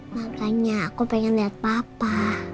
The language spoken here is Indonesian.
makanya aku pengen lihat papa